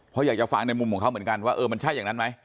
เพราะอยากจะฟังในมุมของเขาเหมือนกันว่าเออมันใช่อย่างนั้นไหม